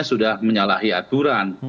sudah menyalahi aturan